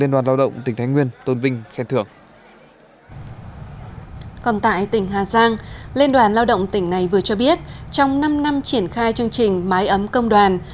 đoàn lao động tỉnh này vừa cho biết trong năm năm triển khai chương trình máy ấm công đoàn